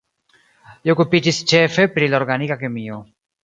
Li okupiĝis ĉefe pri la organika kemio.